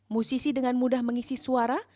musisi dengan mudah mengisi suara